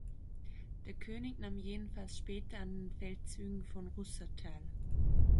Der König nahm jedenfalls später an den Feldzügen von Rusa teil.